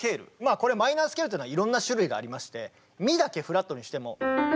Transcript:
これマイナースケールっていうのはいろんな種類がありましてミだけフラットにしても。